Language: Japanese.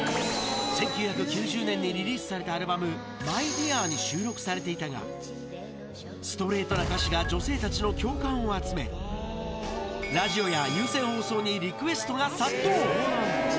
１９９０年にリリースされたアルバム、ＭＹＤＥＡＲに収録されていたが、ストレートな歌詞が女性たちの共感を集め、ラジオや有線放送にリクエストが殺到。